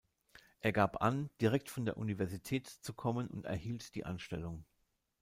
Er gab an, direkt von der Universität zu kommen und erhielt die Anstellung.